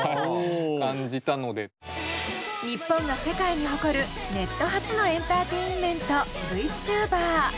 日本が世界に誇るネット発のエンターテインメントＶチューバー。